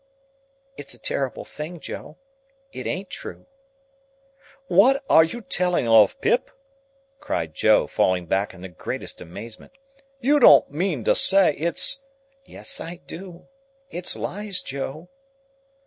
"It's a terrible thing, Joe; it ain't true." "What are you telling of, Pip?" cried Joe, falling back in the greatest amazement. "You don't mean to say it's—" "Yes I do; it's lies, Joe."